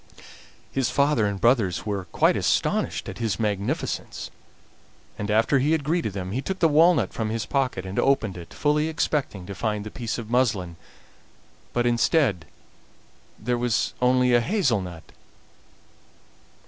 His father and brothers were quite astonished at his magnificence, and after he had greeted them he took the walnut from his pocket and opened it, fully expecting to find the piece of muslin, but instead there was only a hazel nut.